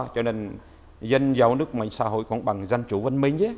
cho nên dân giàu nước mạnh xã hội công bằng dân chủ văn minh